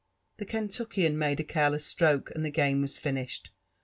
'' The Kentucktan made a carelesastr<Ae, and the game waa finished.